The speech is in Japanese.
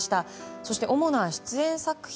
そして主な出演作品